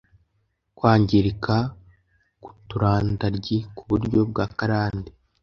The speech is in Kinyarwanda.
Kwangirika k’uturandaryi ku buryo bwa karande